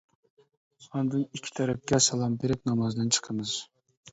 ئاندىن ئىككى تەرەپكە سالام بېرىپ نامازدىن چىقىمىز.